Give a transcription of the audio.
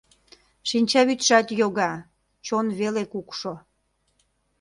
Шинчавӱдшат йога, чон веле кукшо.